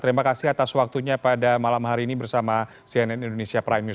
terima kasih atas waktunya pada malam hari ini bersama cnn indonesia prime news